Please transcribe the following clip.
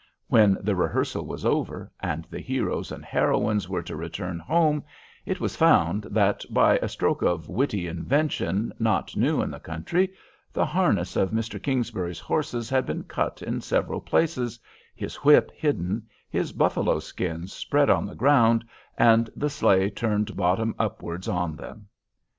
When the rehearsal was over, and the heroes and heroines were to return home, it was found that, by a stroke of witty invention not new in the country, the harness of Mr. Kingsbury's horses had been cut in several places, his whip hidden, his buffalo skins spread on the ground, and the sleigh turned bottom upwards on them.